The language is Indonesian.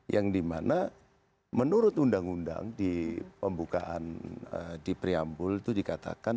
yang dimana menurut undang undang di pembukaan di priambul itu dikatakan